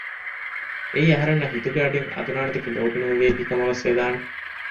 އެއީ އަހަރެންނަށް ހިތުގެ އަޑީން އަދުނާނު ދެކެ ލޯބި ނުވެވޭތީ ކަމަށް ވެސް ވެދާނެ